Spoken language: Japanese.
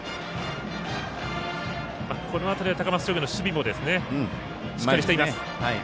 この辺りは、高松商業の守備もしっかりしています。